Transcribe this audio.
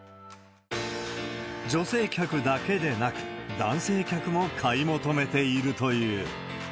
女性客だけでなく、男性客も買い求めているという。